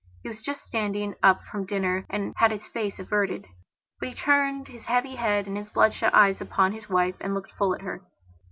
He was just standing up from dinner and had his face averted. But he turned his heavy head and his bloodshot eyes upon his wife and looked full at her.